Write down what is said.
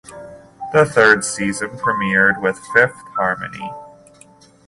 The third season premiered with Fifth Harmony.